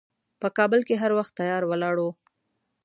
په کابل کې هر وخت تیار ولاړ و.